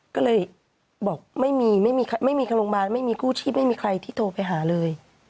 ก็เลยบอกไม่มีไม่มีทางโรงพยาบาลไม่มีกู้ชีพไม่มีใครที่โทรไปหาเลย